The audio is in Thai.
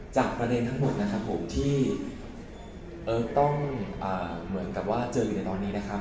ประเด็นทั้งหมดนะครับผมที่ต้องเหมือนกับว่าเจอเหลือตอนนี้นะครับ